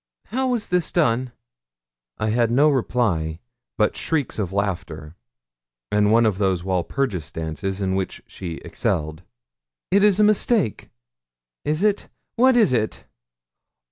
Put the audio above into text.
'How was this done?' I had no reply but shrieks of laughter, and one of those Walpurgis dances in which she excelled. 'It is a mistake is it? What is it?'